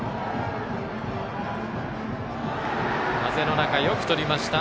風の中、よくとりました。